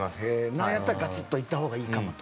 なんやったらガツンといったほうがいいと。